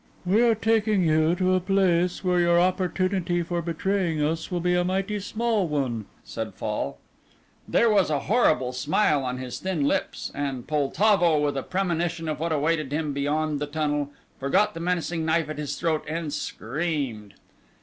"We are taking you to a place where your opportunity for betraying us will be a mighty small one," said Fall. There was a horrible smile on his thin lips, and Poltavo, with a premonition of what awaited him beyond the tunnel, forgot the menacing knife at his throat and screamed.